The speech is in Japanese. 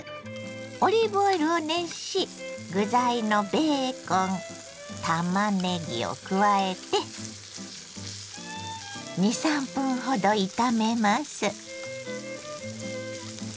オリーブオイルを熱し具材のベーコンたまねぎを加えて２３分ほど炒めます。